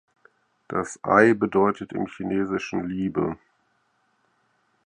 Das „Ai“ bedeutet im Chinesischen Liebe.